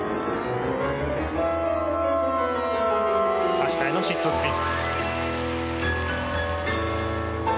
足換えのシットスピン。